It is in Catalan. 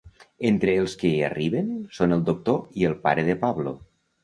Entre els que arriben són el doctor i el pare de Pablo.